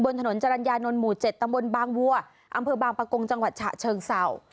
ถนนจรรยานนท์หมู่๗ตำบลบางวัวอำเภอบางประกงจังหวัดฉะเชิงเศร้า